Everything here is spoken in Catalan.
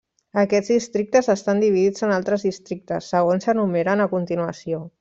Aquests districtes estan dividits en altres districtes, segons s'enumeren a continuació.